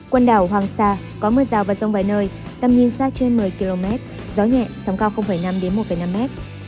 quần đảo hoàng sa có mưa rào và rông vài nơi tầm nhìn xa trên một mươi km gió nhẹ sóng cao năm một năm mét